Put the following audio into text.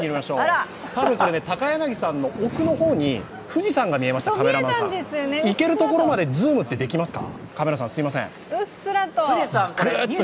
これ高柳さんの奥の方に富士山が見えましたよ、いけるところまでズームってできますか？